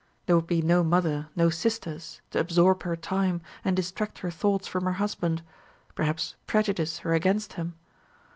There would be no mother, no sisters, to absorb her time and distract her thoughts from her husband, perhaps prejudice her against him.